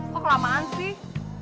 kok kelamaan sih